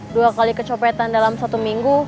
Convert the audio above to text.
dua kali kecopetan dalam satu minggu